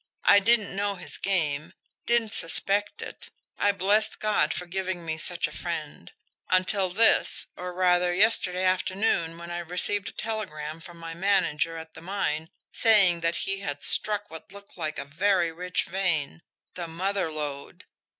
I didn't know his game, didn't suspect it I blessed God for giving me such a friend until this, or, rather, yesterday afternoon, when I received a telegram from my manager at the mine saying that he had struck what looked like a very rich vein the mother lode.